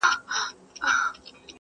همېشه به يې دوه درې فصله کرلې.!